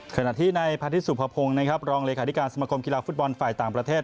ขณะที่ในพาทิสุพพพงศ์รองเลยขาดิการสมกรมกีฬาฟุตบอลฝ่ายต่างประเทศ